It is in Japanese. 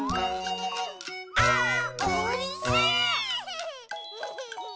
「あーおいしい！」